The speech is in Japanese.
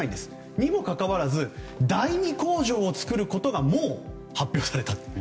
にもかかわらず第２工場を作ることがもう発表されたと。